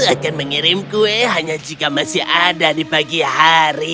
akan mengirim kue hanya jika masih ada di pagi hari